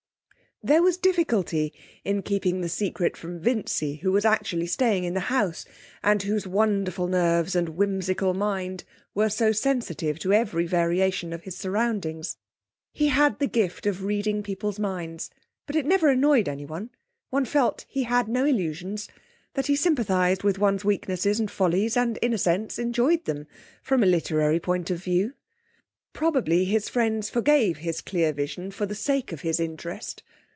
There was difficulty in keeping the secret from Vincy, who was actually staying in the house, and whose wonderful nerves and whimsical mind were so sensitive to every variation of his surroundings. He had the gift of reading people's minds. But it never annoyed anyone; one felt he had no illusions; that he sympathised with one's weaknesses and follies and, in a sense, enjoyed them, from a literary point of view. Probably his friends forgave his clear vision for the sake of his interest.